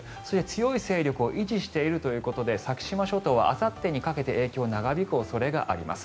強い勢力を維持しているということで先島諸島はあさってにかけて影響が長引く恐れがあります。